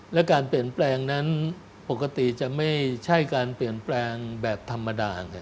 และการเปลี่ยนแปลงนั้นปกติจะไม่ใช่การเปลี่ยนแปลงแบบธรรมดาไง